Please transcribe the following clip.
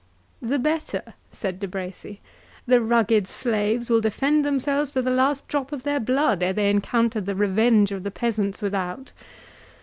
"The better," said De Bracy; "the rugged slaves will defend themselves to the last drop of their blood, ere they encounter the revenge of the peasants without.